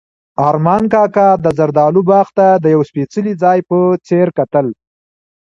ارمان کاکا د زردالو باغ ته د یو سپېڅلي ځای په څېر کتل.